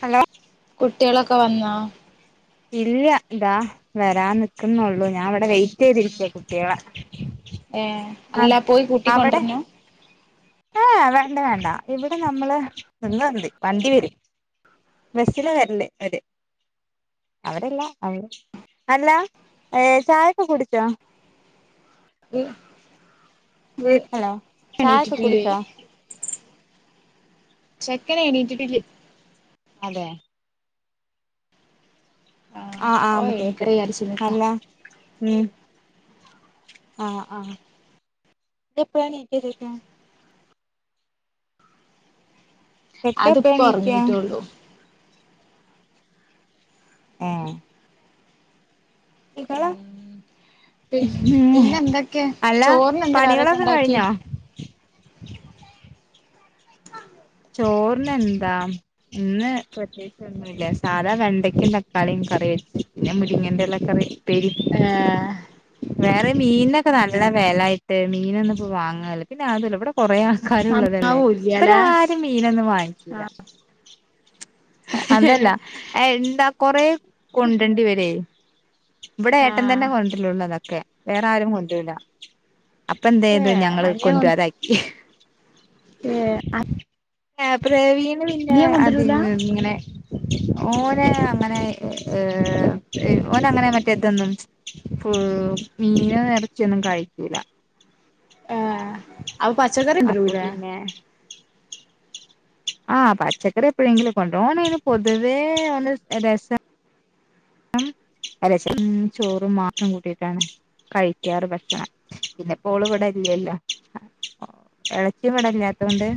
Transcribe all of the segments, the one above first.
Hello കുട്ടികളൊക്കെ വന്നൊ? ഇല്ല ഇതാ വരാ നിക്കുന്നുള്ളൂ ഞാൻ ഇവിടെ വെയി ചെയേതിരിക്ക കുട്ടികള ഏ ആഹ അല്ല പോയി അവിടെ കൂട്ടിക്കൊണ്ടരണോ ആഹ വേണ്ട വേണ്ട ഇവിടെ നമ്മള് നിന്ന് വന്ത് വണ്ടി വേര് ബെസ്സില വരല അവര് അവരല്ല അവ അല്ല ഏഹ ചായൊക്കെ കുടിച്ചോ ഹലോ [unintelligible] ചായൊക്കെ എണീട്ടിട്ടില്ലേ? കുടിച്ചോ ചെക്കന എണീട്ടിട്ടില്ല അതെ ആഹ് ആഹ ഓ കേട്ടു എണീക്കട്ടെ വിചാരിച്ച് നിക്കാ അല്ല ഉം ആഹ ആഹ എപ്പഴാണ് [unintelligible] ക്ക അതിപ്പോ എക്കെപണീക്കാ ഒറങ്ങിട്ടൊള്ളൂ ആഹ [unintelligible] ങ്ങള പി ഉം പിന്നെ എന്തൊക്കെ അല്ല ചോറിന് എന്താ കറിയൊക്കെ പണികളൊക്കെ ഉണ്ടാക്കി കഴിഞ്ഞോ [inaudible] ചോറിന എന്താ ഇന്ന് [unintelligible] ന്നല്ല സാധാ വെണ്ടയ്ക്ക തക്കാളിയും കറി പിന്നെ മുരിങ്ങിന്റല കറി ഉപേരി ആഹ വേറെ മീനിനൊക്കെ നല്ല വില ആട്ട് മീനൊന്ന ഇപ്പോ വാങ്ങല്ല പിന്നെ അതല്ല ഇവിടെ കൊറേ ആൾക്കാർ ഉള്ളതല്ലേ ഇ നന്നാവൂല്ല്യാല്ലേ മീനൊന്നും വാങ്ങിച്ചില്ല അതല്ല ആഹ് എന്താ കൊറ കൊണ്ടണ്ട് ഇവരെ ഇവിടെ ഏട്ടൻ ആഹ് തന്നെ കൊണ്ട ഉള്ളതൊക്കെ വേറെ ആരും കൊണ്ടല്ല അപ്പൊ എന്ത ചെയത് ഏഹ് ഞങ്ങള് കൊണ്ടു അനിയൻ കൊ [unintelligible] [inaudible] [unintelligible] പ്രവീണ് പിന്നെ അനിയൻ അത് കൊണ്ടരൂല ഇങ്ങനെ ഓനെ അങ്ങനെ ഏഹ ഓന അങ്ങനെ മറ്റേതൊന്നും. മീന് ഇറച്ചിയൊന്നും കഴികുല. ആഹ ആ പച്ചക്കറി കൊണ്ട് അപ്പൊ വരൂല്ല. പിന്നെ ആഹ് പച്ചക്കറി എപ്പഴെങ്കിലും കൊണ്ടുവരും ഓന് അതിന് പൊതുവേ [unintelligible] രസം. അല്ല [unintelligible] ചോറും മാത്രം കൂട്ടിയിട്ടാണ്. കഴിക്കാറ് ഭക്ഷണം പിന്നെപ്പോള് ഇവിടെ ഇരിയല്ലോ. ഇളയച്ചി ഇവിടെ ഇല്ലാത്തതുകൊണ്ട്.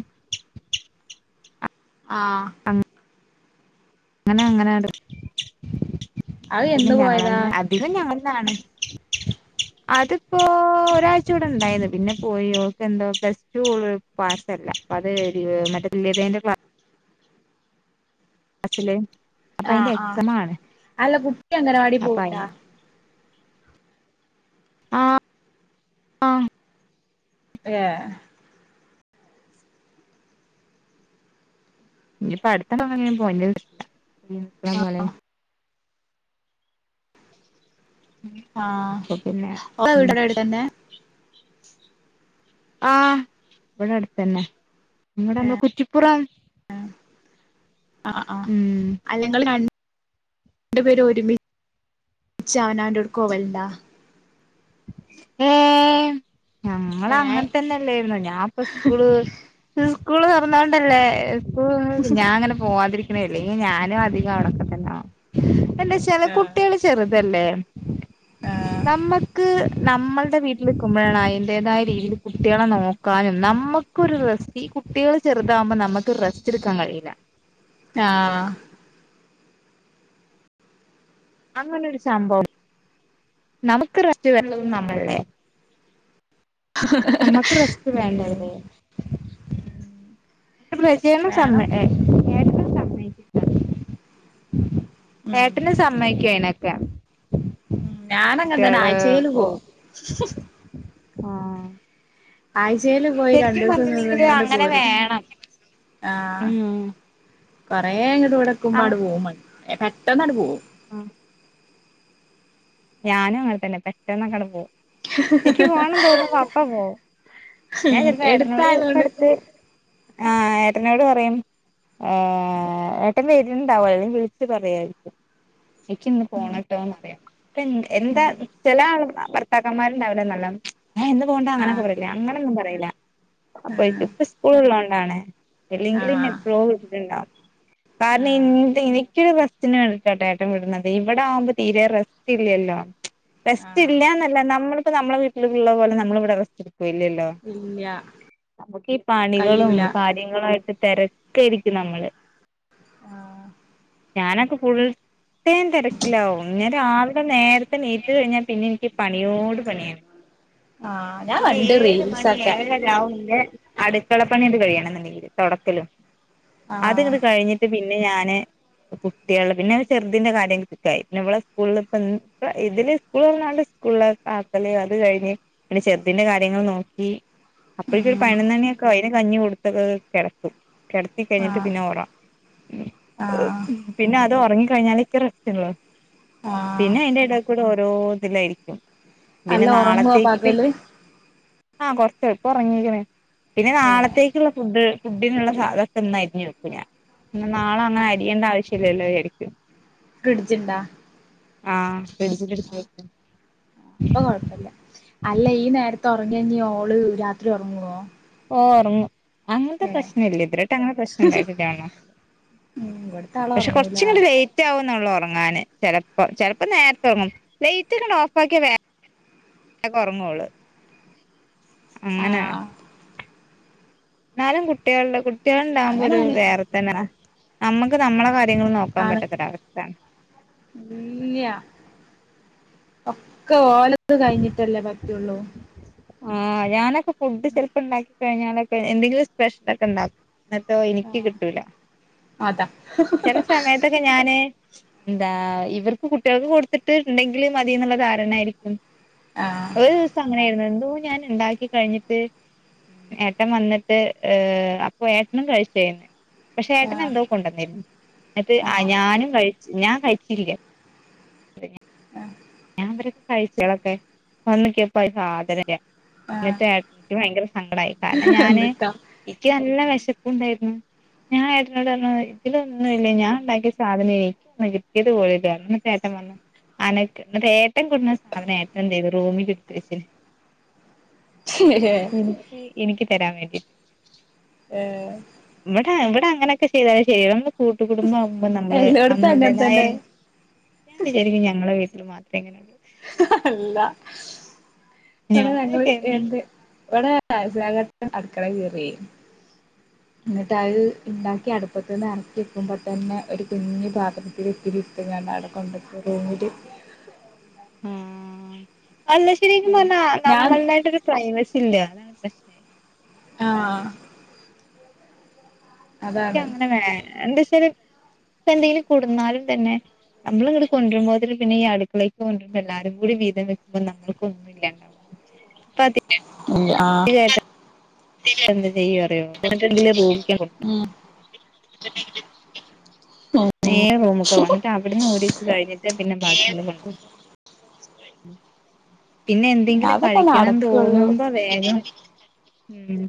ആഹ ആഹ അങ്ങനെ അങ്ങനെ അങ്ങണ്ട് അത് പിന്നെ എന്ന് ഞങ്ങൾ പോയതാ തന്നെ. ഇത് ഞങ്ങന്നാണ് അതിപ്പോ ഒരാഴ്ച ഇവിടെ ഇണ്ടായിന്ന് പിന്നെ പോയി ഓൾക്കെ എന്തോ പസ്റ്ററ്റൂ പാസല്ല അത് [unintelligible] മറ്റ തുല്യതിന്റ അച്ചിലേ ആഹ് ആഹ് അല്ല കുട്ടി അംഗ ലവാടി അപ്പൊ അയിന് പോകുന്നുണ്ടോ? ആഹ ആഹ ഏഹ ഇനിയിപ്പ അടുത്ത തവണ പൊല് പോയി പോലെ അപ്പൊ പിന്നെ ആഹ ഉം ഇവിടെതന്നെ. ആഹ് ഇവിടെ അടുത്തന്നെ. ഇങ്ങെടെമ്മളെ കുച്ചിപ്പുറം ഉം അല്ലെ ങ്ങള് രണ്ട് പേരും ഒരുമിച്ച് അവനാന്റാേട്ക്കോവല്ണ്ടാ ഏം ഏഹ് ഞങ്ങളങ്ങനത്തന്നെ ല്ലേര്ന്നോ ഞാപ്പ സ്കൂള് ഇസ്കൂള് തൊർന്നാേണ്ടല്ലേ സ്കൂൾ ഞാങ്ങെനെ പോവാതിരിക്ക്ണെ അല്ലെങ്കി ഞാനും അധികം അവ്ടൊക്കെ തെന്നാ എന്താച്ചാല് ആഹ് കുട്ട്യേള് ചെറ്തല്ലേ ആഹ് നമ്മ ക്ക് നമ്മ ശടെ വീട്ടില്ക്ക്മ്പാെഴാണ് അയ്ന്റേതായ രീതീല് കുട്ട്യേളെ നോക്കാനും നമ്മ ക്കൊര് റെസ്റ്റ് ഈ കുട്ട്യേള് ചെർതാകുമ്പം നമ്മക്ക് റെസ്റ്റ്ട്ക്കാൻ കഴിയിലാ ആഹ് അങ്ങെനാെരു സംഭവം നമ്ക്ക് റെസ്റ്റ് വേണെ [unintelligible] നമ്മൾലെ നമ്മക്ക് റെസ്റ്റ് ഉം വേണ്ടെയ്ന് [unintelligible] വേണം സമ്മെ എ ഉം ഏട്ടന് സമ്മെയ്ക്കും അയ്നെക്കെ ഉം ഞാനങ്ങെൻതന്നെ ആയ്ചേല് ഇപ്പൊ പോവും ആഹ് ആയ്ചേല് പോയി ശരിക്കും രണ്ടൂസം പറഞ്ഞിട്ടുണ്ടെങ്കില് നിന്ന്ക്കാണ്ട് അങ്ങനെ പോരും വേണം ആഹ് ഉം കൊറേ ഇങ്ങെട്ട് അങ് വടെക്കുമ്പാണ്ട് പോവും പെട്ടെന്നാണ്ട് പോവും ആഹ് ഞാനും അങ്ങൻതന്നെ പെട്ടാെന്നൊക്കാണ്ട് പോവും ഇക്ക് പോണം തോന്നുമ്പം അപ്പം പോവും ഞാൻ ഉം ചെൽപ്പം ഏട്ടനോട് എടുത്തായതോണ്ട് ഇപ്പട്ത്ത് ആഹ് ഏട്ടെനോട് പറയും ഏഹ് ഏട്ടെൻ വര്ണ്ടാവോ അല്ല വിളിച്ച് പറയായിര്ക്കും ഇച്ച്ന്ന് പോണട്ടോന്നറ്യാ ഇപ്പ എ എന്താ ഉം ചെല ആൾ ഭർത്താക്കന്മാര്ണ്ടാവുലേ നല്ലോം ഏഹ് ഇന്ന് പോകണ്ട അങ്ങനൊക്കെ ആഹ് പറീലാ അങ്ങനൊന്നും പറീലാ അപ്പൊ ആഹ് ഇപ്പ സ്കൂള് ള്ളോണ്ടാണ് ആഹ് ഇല്ലെങ്ക്‌ല്ന്നെപ്പളോ വീട്ട്ല്ണ്ടാവും കാരണം ആഹ് ഇന്ത് ഇനിക്കാെര് റെ ച്ച്ന് കണ്ട്ട്ടാട്ടോ ഏട്ടം വിട്ന്നത് ഇവെടെ ആവുമ്പോ തീരെ റെസ്റ്റ് ഇല്ല്യല്ലോ റെസ്റ്റ് ആഹ് ഇല്ല്യാന്നല്ല നമ്മളിപ്പോ നമ്മളെ വീട്ടില്ള്ള പോലെ നമ്മള് ഇവെടെ റെസ്റ്റ് ഇട്ക്കാേ ഇല്ല്യല്ലോ ഇല്ല നമുക്ക് ഈ പണികളും കയ്യൂല കാര്യങ്ങളു ആയിട്ട് തെരെക്കെയ്രിക്കും നമ്മള് ആഹ് ഞാനൊക്ക ഫുൾടൈം തെരെക്കിലാവും ഞാ രാവ് ലെ നേരെത്തെ ണീറ്റ് കഴിഞ്ഞാ പിന്നെ എനിക്ക് പണിയോട് പണിയാണ് ആഹ് ഞാൻ പിന്നെ കണ്ട് ഏഴ് മണി റീൽസൊക്കെ ഏഴെ രാവും ഇന്റെ അട്ക്കളപ്പണ്യാണ്ട് കഴിയണംന്ന്ണ്ടെങ്കില് തൊടക്കലും ആഹ് അത്ങ്ങട്ട് കഴിഞ്ഞി ട്ട് പിന്നെ ഞാന് കുട്ട്യേള് പിന്നെ ചെർതിന്റെ കാര്യം [unintelligible] പിന്നെ ഇവളെ സ്കൂൾലും [unintelligible] പ്പ ഇതിന് സ്കൂളാെർന്നാണ്ട് സ്കൂളിലേക്കാക്കണ്ടെ അത് കഴിഞ്ഞ് പിന്നെ ചെർതിന്റെ കാര്യങ്ങള് നോക്കി അപ്പഴേക്കൊര് ഉം പയ്നൊന്നണ്യൊക്കാവും അയ്ന് കഞ്ഞി കൊട്ത്ത് കെടെത്തും കെടെത്തി കഴിഞ്ഞിട്ട് ആഹ് പിന്നെ ഒറ ആഹ് പിന്നെ അത് ഒറെങ്ങിക്കഴിഞ്ഞാലെ ഇക്ക് റെസ്റ്റുള്ളു ആഹ് പിന്നെ അയ്ന്റെ എടേയ്ക്കൂടെ ഓരോ ഇതിലേയ്രിക്കും പിന്നെ നല്ല ഒറങ്ങുവോ നാളത്തേക്ക് പകല് ആഹ് കൊർച്ച് ഇപ്പാെർങ്ങീക്ക്ണ് പിന്നെ ഏഹ് നാളെത്തേക്ക്ള്ളെ ഫുഡ്ഡ് ഫുഡ്ഡിന്ള്ള സാധനാെക്കെ ഇന്ന് അരിഞ്ഞ് വെക്കും ഞാൻ ന്നാ നാളെ അങ്ങെനെ അരിയെണ്ട ആവശ്യല്ലല്ലോ വിചാരിക്കും ഫ്രിഡ്ജ്ണ്ടാ ആഹ് ഫ്രിഡ്ജില് ട്ത്ത് വെക്കും പ്പൊ കൊഴപ്പല്ല അല്ല ഈ നേരത്ത് ഒറെങ്ങ്യാ ഞ്ഞോള് രാത്രി ഒറെങ്ങോ ഓഹ് ഒറെങ്ങും അങ്ങൻത്തെ പ്രശ്നം ഇല്ല ഇതെരേയ്ട്ട് അങ്ങനെ പ്രശ്നണ്ടായിട്ടില്ലന്നും ഉം ഇവിടുത്തെ ആള് പക്ഷെ ഒറങ്ങൂല കൊരച്ച്ങ്ങട്ട് ലെയ് റ്റാവുംന്നാെള്ളു ഒർങ്ങാന് ചെലപ്പാെ ചെലെപ്പാെ നേര്ത്തെ ഒർങ്ങും ലൈറ്റൊക്കാണ്ടോഫാക്ക്യ വേ ഗം ഒർങ്ങാേള് അങ്ങനാണ് ആഹ് ന്നാലും കുട്ട്യേള് ള്ളെ കുട്ട്യേള്ണ്ടാകുമ്പാെര് അങ്ങനാണ് വേറെ തന്നേണ് നമ്മക്ക് നമ്മളെ കാ ര്യങ്ങള് നോക്കാം പറ്റാത്തൊരവസ്ഥേണ് ഇല്ല്യ ഒക്കെ ഓലത് കഴിഞ്ഞിട്ടല്ലേ പറ്റുള്ളൂ ആഹ് ഞാനൊക്കെ ഫുഡ് ചെലപ്പോ ഉണ്ടാക്കി കഴിഞ്ഞാലൊക്കെ എന്തെങ്കിലും സ്പെഷ്യലൊക്കെ ഉണ്ടാക്കും എന്ന്ട്ടോ എനിക്ക് ആഹ് കിട്ടൂല അതാ ചെല സമയത്ത് ഞാന് എന്താ ഇവർക്ക് കുട്ടികൾക്ക് കൊടുത്തിട്ട് ഉണ്ടെങ്കിൽ മതി എന്നുള്ള ധാരണായിരിക്കും ആഹ് ഒരു ദിവസം അങ്ങനൊയിരുന്നു എന്തോ ഞാൻ ഉണ്ടാക്കി കഴിഞ്ഞിട്ട് ഏട്ടൻ വന്നിട്ട് അപ്പോ ഏട്ടനും കഴിച്ചയിന്ന് പക്ഷെ ആഹ് ഏട്ടനെന്തോ കൊണ്ടന്നിരുന്നു എന്നട്ട് ആഹ് ഞാനും കഴിച്ച് ഞാൻ കഴിച്ചില്ല ആഹ് [unintelligible] കഴ്ചകളൊക്കെ വന്ന [unintelligible] സാധനല്ല ആഹ് എന്ന്ട്ട് ഏട്ടന് ഭയങ്കര സങ്കടായി കാരണം ഞാന് എന്നിട്ടാ ഇക്ക് നല്ല വിശപ്പ് ഉണ്ടായിരുന്നു ഞാൻ ഏട്ടനോട് ഇതിലൊന്നും ഇല്ല ഞാൻ ഉണ്ടാക്കിയ സാധനനെയ് [unintelligible] യത് പോയല്ലെ ചേട്ടൻ വന്നു അന എന്ന്ട്ട് ഏട്ടൻ കൊടുന്ന സാധനം ഏട്ടൻ എന്ത് ചെയ്തു റൂമിലിടുത്തെച്ചീന്നു എനിക്ക് എനിക്ക് തരാൻ വേണ്ടിട്ട് ഏഹ് ഇവിടെ ഇവിടെ അങ്ങനൊക്കെ ചെയ്താലെ ശരിയാവു കൂട്ട് കുടുംബം ആകുമ്പോ നമ്മള് എല്ലോടത്തും അങ്ങനെ നമ്മളടേതായ തന്നെ ഞാൻ വിചാരിക്കും ഞങ്ങളെ വീട്ടി മാത്രേ അങ്ങനെ ഉള്ളൂ അല്ല ഇവിടെ ഞങ്ങൾ ഞാനൊക്കെ എന്ന് എന്ത് ഇവിടെ [unintelligible] അടുക്കള കീറി എന്ന്ട്ട് അത് ആഹ് ഉണ്ടാക്കി അടുപ്പത്ത് നിന്ന് ഇറക്കി വെക്കുമ്പോൾ തന്നെ ഒരു കുഞ്ഞി പാത്രത്തിലിൽ ഇത്തിരി ഇടുത്തുകാണ്ട് അവിടെ കൊണ്ട് പോയി വെക്കും [unintelligible] ആഹ് അല്ല ശരിക്കും ഉം പറഞ്ഞ ഞാൻ നമ്മളായിട്ടൊരു പ്രൈവസി ഇല്ല അതാണ് പ്രശ്നം ആഹ് എക്ക് അതാണ് അങ്ങനെ വരാനില്ല എന്താച്ചല് ഇപ്പ എന്തെങ്കിലും കൊടന്നാലും തന്നെ നമ്മളിങ്ങ്ട് കൊണ്ട്രുമ്പോത്തിന് പിന്നെ ഈ അടുക്കളിയിക്ക് കൊണ്ടരുമ്പോ എല്ലാരും കൂടി വീതം വെക്കുമ്പോ നമ്മക്ക് ഒന്നൂല്ല ആഹ് [inaudible] ഉം നേരെ റൂമക്കാപോന്നേ എന്നിട്ടവിടുന്നു ഓഡീഷൻ കഴിഞ്ഞിട്ട് പിന്നെബാക്കി കൊണ്ടുപോകും. പിന്നെയെന്തെങ്കിലും അതൊക്കെ കഴിക്കണ നടക്കൊള്ളൂ ന്നുതോന്നുമ്പോ വേഗം, ഉം..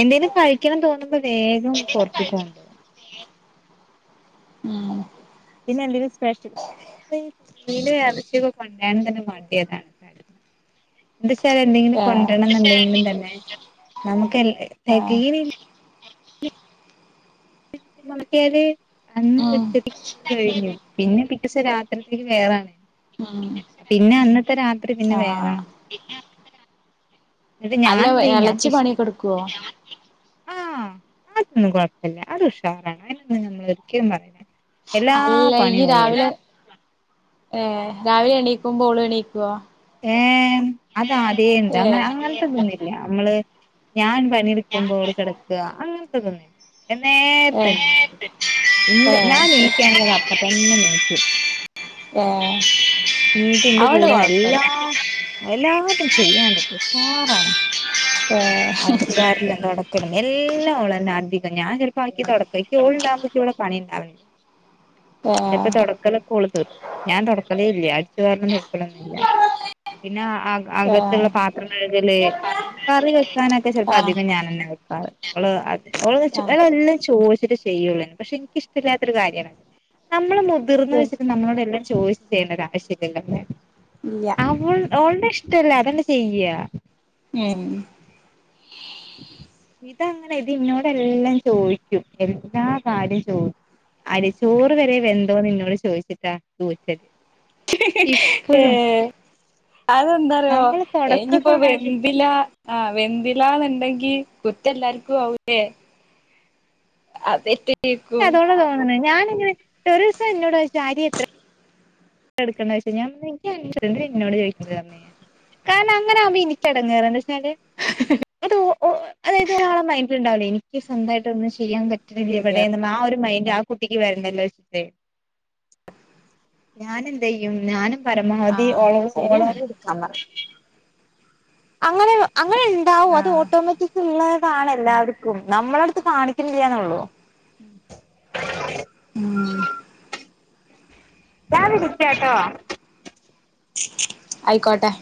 എന്തേിലും കഴിക്കണമെന്നുതോന്നുമ്പോൾ വേഗം പുറത്തക്കു കൊണ്ടുപോകും. ഉം.. പിന്നെയെന്തേലും സ്പെഷ്യല് മീനും, ഇറച്ചിയുമൊക്കെ കൊണ്ടിരാൻ തന്നെ മടിയതാണ് എന്തുവച്ചാലെന്തെങ്കിലും ഏഹ് കൊണ്ടുവരണമെന്നുണ്ടെങ്കിലുംതന്നെ നമുക്ക് എല്ലാ ആഹ് തെകയില്ല [inaudible] അന്ന് ഉം എട്ടരക്കു കഴിഞ്ഞു. പിന്നെ പിറ്റേ ദിവസംരാത്രിയിയത്തേക്ക് വേറാണ് ഉം പിന്നെയന്നത്തെ രാത്രി പിന്നെ ആഹ് വേറാണ് എന്നിട്ട്. അല്ല ഞാനിതേ, ഞാൻ എളച്ചി പിശുക്കി പണിയൊക്കെ എടുക്കുവോ ആഹ്, അതൊന്നും കുഴപ്പല്ല, അത് ഉഷാറാണ് അതിനൊന്നും നമ്മളൊരിക്കലും പറയൂല. അല്ലയീരാവിലെ ഏഹ് രാവിലെയെണീക്കുമ്പ ഓളുമെണീക്കു വോ ഏഹ്.. അതാദ്യണ്ട്. അങ്ങനെ അങ്ങനത്തെയിതൊന്നുമില്ല. നമ്മള്.. ഞാൻ.. പണിയെടുക്കുമ്പോള് കിടക്ക അങ്ങനത്തെതന്നുല്ല. ഏ നേരത്തെയെണീക്കും. ഇണ്ട്, ഏ ഞാനെണീക്കയാണെങ്കിൽ അതപ്പ തന്നെയെണീക്കും. ഏ അവോണ്ട് കൊഴപ്പല്ല എണീറ്റെന്റെകൂടെയെല്ലാം.. ആഹ്... എല്ലാതും ചെയ്യാനൊക്കെ ഷാറണ്. അടിച്ചുവാരലും തൊടക്ക എല്ലാം ഓളുതന്നെയധികം ഞാൻ ചിലപ്പോ ആദ്യംതുടക്കും, എനിക്ക് ഓളുണ്ടാകുപോളിവിടെ പണി ഉണ്ടാവില്ല ഏ ഏ ഏ പ്പോ തുടക്കലൊക്കെയോൾക്ക്, ഞാൻ തുടക്കണേയില്ല. അടിച്ചുവാരലും തുടക്കലൊന്നുല്ല. പിന്നെയകത്തുള്ള ആഹ് പാത്രം കഴുകല് കറിവയ് വയ്ക്കാനൊക്കെ ചെലപ്പോയധികം ഞാൻന്നെവെക്കാറ് അവള്.. ആഹ് അവളെല്ലാം.. ചോദിച്ചിട്ട് ചെയ്യ ചെയ്യുള്ളൂ. പക്ഷേയെനിക്കിഷ്ടമില്ലാത്തയൊരു കാര്യണ്, നമ്മള് മുതിർന്നവരു നമ്മോടെല്ലാം ചോദിച്ചിട്ട്.. ചെയ്യുന്നൊരാവശ്യമില്ലല്ലോന്നേ.. ഇല്ല അവൾ, ഓളുടെ ഇഷ്ടമല്ലേയതങ്ങ ചെയ ഉം.. ഇതങ്ങനെയിതെന്നോടുഎല്ലാം ചോദിക്കും. എല്ലാ കാര്യവും ചോദി അരി, ചോറുവരെ വെന്തോന്നെന്നോടു ചോദിച്ചിട്ടാ ഊറ്റല് ഇപ്പഴും ഏഹ്.. അതെന്താന്നറിയോ, നമ്മള് തൊടക്കൊക്കെ ഇനിയിപ്പോ അങ്ങനെ ചെയ് വെന്തില്ലാ ആഹ്... വെന്തില്ലാന്നുണ്ടെങ്കി കുറ്റല്ലാർക്കും ആവൂലേ അതേറ്റ് ക്കതുകൊണ്ടാതോന്നണ് ഞാനിങ്ങനെ ഒരൂസന്നോടു ചോയിച്ചു അരിയെത്രയി എടുക്കണ്ടേന്നു ചോദിച്ചു. ഞാൻ പറഞ്ഞു നിന്റെയരിയല്ലേ യെ ന്തിനായെന്നോടു ചോദിക്കുന്നതെന്നു പറഞ്ഞുഞാൻ കാരണമങ്ങനെയാകു മ്പോളെനിക്കിടങ്ങേറാണെന്തവെച്ചാല് അത് ഓ... അതായതു ഒരാൾടെ മൈൻഡിൽ ഉണ്ടാവില്ലേ എനിക്ക് സ്വന്തമായിട്ട് ഒന്നും ചെയ്യാൻ പറ്റു ഇല്ലവിടേന്ന്, ആ ഒരു മൈന്റൊ കുട്ടിക്കുവരണ്ടല്ലോന്നു വിചാരിച്ചിട്ടെ ഞാനെന്തേയ്യും, ഞാനും ആഹ് പരമാവധിഓളോട്, ശരിയാണ് ഓളോട്... ട് അങ്ങനെയങ്ങനെയുണ്ടാവുമത് ആഹ് ഓട്ടോമാറ്റിക്ക ഉള്ളതാണെല്ലാവർക്കും. നമ്മുടെയടുത്ത് കാണിക്കുന്നില്ലാന്നേയുള്ളൂ ഉം.. രാവിലെയീതേട്ടവാ ആയിക്കോട്ടെ,